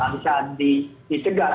bocoran data nggak akan bisa